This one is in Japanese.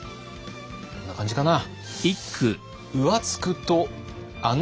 こんな感じかな。